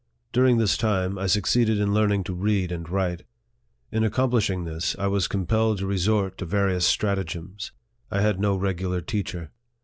During this time, I succeeded in learning to read and write. In accomplishing this, I was compelled to resort, to various stratagems. I had no regular teacher.